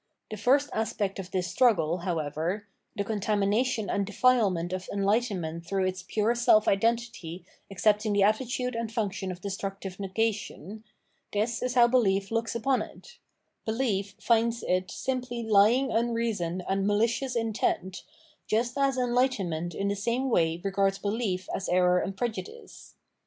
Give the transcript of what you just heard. The first aspect of this struggle, however, — the contamination and defilement of enlightenment through its pure self 556 Phenomenology of Mind identity accepting tlie attitude and function of destruc tive negation — tMs is how belief looks upon it; belief finds it simply lying unreason and malicious intent, just as enlightenment in the same way regards belief as error and prejudice.